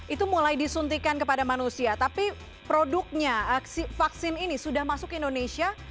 itu mulai disuntikan kepada manusia tapi produknya vaksin ini sudah masuk ke indonesia